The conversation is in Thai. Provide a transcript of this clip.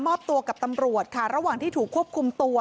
มอบตัวกับตำรวจค่ะระหว่างที่ถูกควบคุมตัว